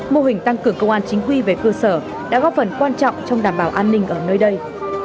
mô hình tăng cường công an chính quy về cơ sở đã góp phần quan trọng trong đảm bảo an ninh ở nơi đây